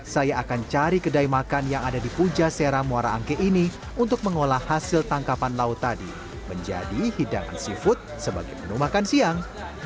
saya akan cari kedai makan yang ada di puja sera muara angke ini untuk mengolah hasil tangkapan laut tadi menjadi hidangan seafood sebagai menu makan siang